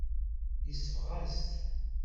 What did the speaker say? Yesbeɣ-as-t.